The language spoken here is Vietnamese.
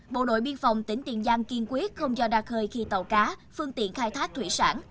bộ đội biên phòng tỉnh tiền giang kiên quyết không do ra khơi khi tàu cá phương tiện khai thác thủy sản